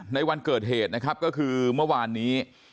ในวันเกิดเหตุนะครับก็คือเมื่อวานนี้